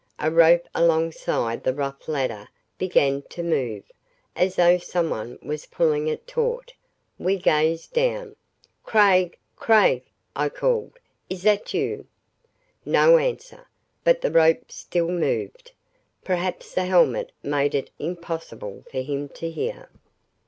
A rope alongside the rough ladder began to move, as though someone was pulling it taut. We gazed down. "Craig! Craig!" I called. "Is that you?" No answer. But the rope still moved. Perhaps the helmet made it impossible for him to hear.